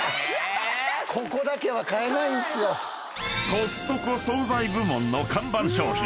［コストコ惣菜部門の看板商品］